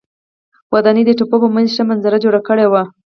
ودانۍ د تپو په منځ ښه منظره جوړه کړې وه.